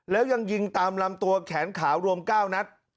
แล้วยังยิงตามลำตัวแขนขาวรวม๙นัด